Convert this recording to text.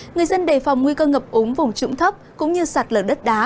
người dân đề phòng nguy cơ ngập ống vùng trụng thấp cũng như sạt lở đất đá